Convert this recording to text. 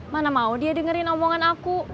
mana mau dia dengerin omongan aku